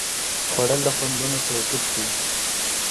خوړل د خوندونو توپیر ښيي